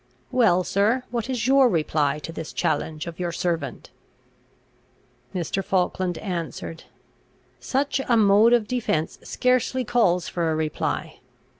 "Well, sir, what is your reply to this challenge of your servant?" Mr. Falkland answered, "Such a mode of defence scarcely calls for a reply.